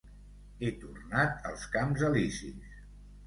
He tornat als camps Elisis.